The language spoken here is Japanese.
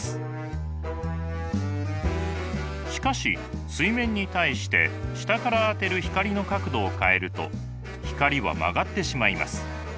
しかし水面に対して下から当てる光の角度を変えると光は曲がってしまいます。